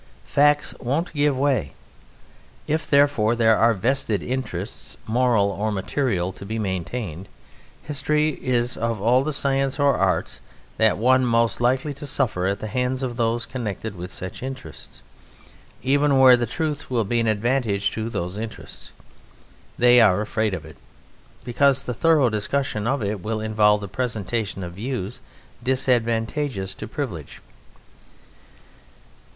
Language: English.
Facts won't give way. If, therefore, there are vested interests, moral or material, to be maintained, history is, of all the sciences or arts, that one most likely to suffer at the hands of those connected with such interests. Even where the truth will be of advantage to those interests, they are afraid of it, because the thorough discussion of it will involve the presentation of views disadvantageous to privilege.